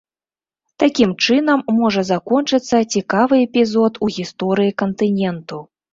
Такім чынам можа закончыцца цікавы эпізод у гісторыі кантыненту.